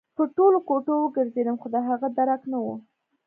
په ټولو کوټو وګرځېدم خو د هغه درک نه و